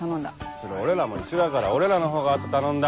それ俺らも一緒だから俺らのほうが後頼んだ。